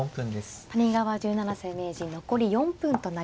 谷川十七世名人残り４分となりました。